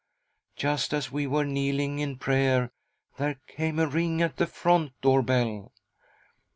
Just as we were kneeling in prayer, there came a ring at the front door bell.